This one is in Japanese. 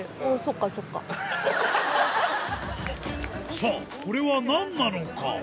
さぁこれは何なのか？